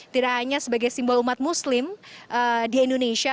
tidak hanya sebagai simbol umat muslim di indonesia